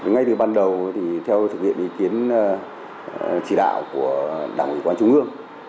ngay từ ban đầu theo thực hiện ý kiến chỉ đạo của đảng ủy quan trung ương